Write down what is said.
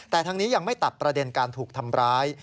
แต่ทางนี้ยังไม่ตัดประเด็นการถูกทำร้าย